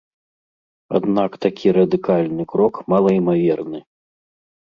Аднак такі радыкальны крок малаімаверны.